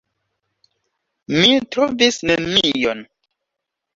Mi trovis nenion.